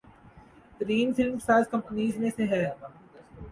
ترین film ساز companies میں سے